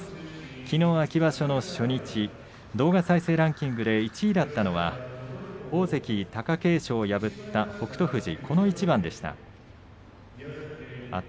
きのう秋場所の初日、動画再生ランキング１位だったのは大関貴景勝を破った北勝富士戦でした。